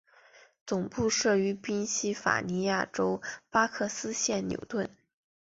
总部设于宾西法尼亚州巴克斯县纽顿。